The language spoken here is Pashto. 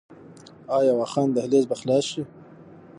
آیا واخان دهلیز به خلاص شي؟